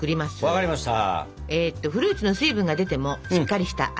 分かりました。